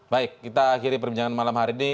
baik kita akhiri perbincangan malam hari ini